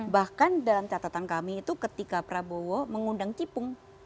bahkan dalam catatan kami itu ketika prabowo mengundang cipung